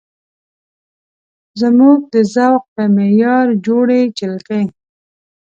زموږ د ذوق په معیار جوړې جلکۍ